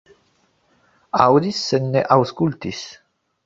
Aŭdis, sed ne aŭskultis.